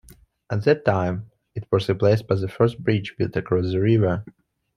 At that time, it was replaced by the first bridge built across the river.